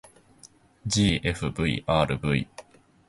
ｇｆｖｒｖ